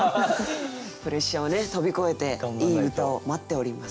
プレッシャーを飛び越えていい歌を待っております。